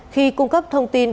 khi cung cấp thông tin